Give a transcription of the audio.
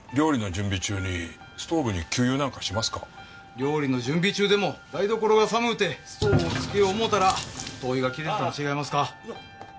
料理の準備中でも台所が寒うてストーブをつけよう思うたら灯油が切れてたん違いますか？